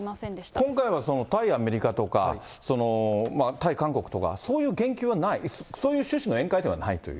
今回は対アメリカとか、対韓国とか、そういう言及はない、そういう趣旨の宴会ではないという？